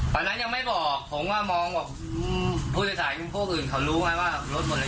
ตอนนั้นยังไม่บอกผมก็มองพูดภาษาพวกอื่นเขารู้ไหมว่ารถหมดระยะตรงนั้น